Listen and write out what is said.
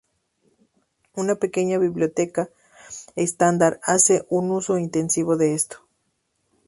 Una pequeña biblioteca estándar hace un uso intensivo de esto.